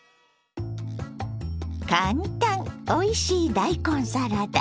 簡単おいしい大根サラダ。